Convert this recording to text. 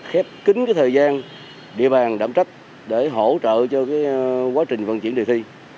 khép kính thời gian địa bàn đảm trách để hỗ trợ cho quá trình vận chuyển đề thi